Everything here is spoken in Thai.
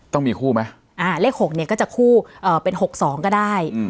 ต้องมีคู่ไหมอ่าเลขหกเนี้ยก็จะคู่เอ่อเป็นหกสองก็ได้อืม